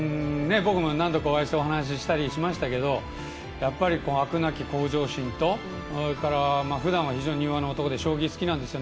僕も何度かお会いしてお話したりしましたけどやっぱりあくなき向上心とふだんは非常に柔和な男で将棋が好きなんですって。